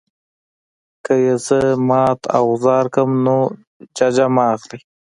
که یې زه مات او غوځار کړم نو ججه مه اخلئ.